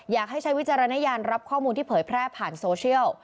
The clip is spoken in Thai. อยากให้ใช้วิจารณญาณรับข้อมูลที่เผยแพร่ผ่านโซเชียล